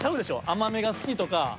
甘めが好きとか。